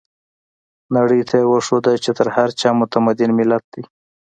نړۍ ته يې وښوده چې تر هر چا متمدن ملت دی.